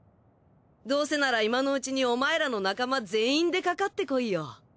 どうせなら今のうちにお前らの仲間全員でかかってこいよ。